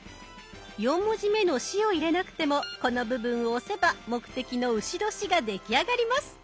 ４文字目の「し」を入れなくてもこの部分を押せば目的の「丑年」が出来上がります。